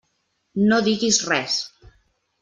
No diguis res.